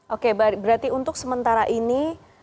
oke berarti untuk sementara ini